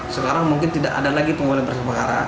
sekarang mungkin tidak ada lagi penggunaan berkas perkara